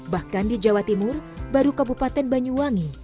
bahkan di jawa timur baru kabupaten banyuwangi